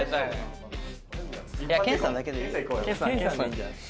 堅さんだけでいいよ。